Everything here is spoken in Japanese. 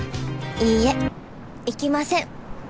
いいえ行きません。